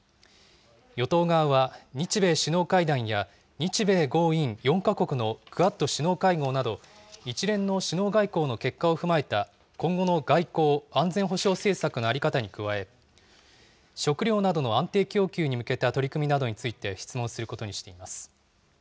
与党側は、日米首脳会談や、日米豪印４か国のクアッド首脳会合など、一連の首脳外交の結果を踏まえた今後の外交・安全保障政策の在り方に加え、食料などの安定供給に向けた取り組みなどについて質問することにしています。